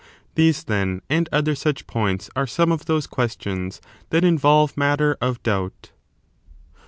These, then, and other such points are some of those questions that involve matter of doubt.